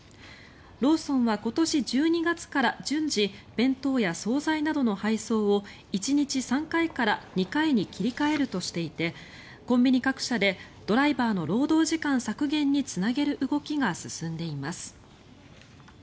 ローソンは今年１２月から順次弁当や総菜などの配送を１日３回から２回に切り替えるとしていてコンビニ各社でドライバーの労働時間削減につなげる動きが進んでいます。